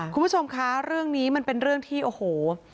คุณผู้ชมคะเรื่องนี้มันเป็นเรื่องที่โอ้โห